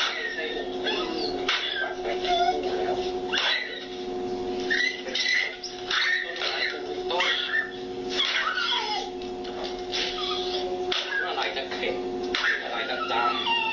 อะไรกันค่ะ